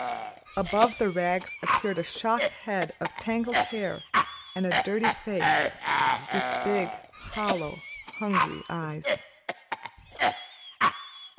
Above the rags appeared a shock head of tangled hair and a dirty face, with big, hollow, hungry eyes.